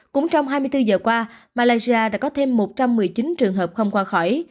cũng trong hai mươi bốn giờ qua malaysia đã có thêm một trăm một mươi chín trường hợp không qua khỏi